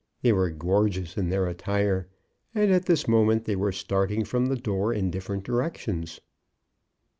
They were gorgeous in their attire, and at this moment they were starting from the door in different directions.